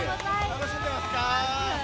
楽しんでますか。